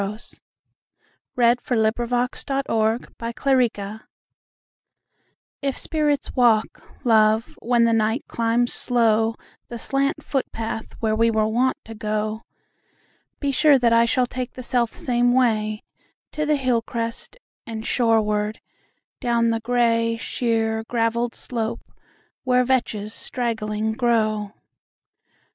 1900. By SophieJewett 1501 "If Spirits Walk" IF spirits walk, love, when the night climbs slowThe slant footpath where we were wont to go, Be sure that I shall take the selfsame wayTo the hill crest, and shoreward, down the gray, Sheer, gravelled slope, where vetches straggling grow.